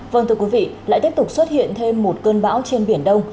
vâng thưa quý vị lại tiếp tục xuất hiện thêm một cơn bão trên biển đông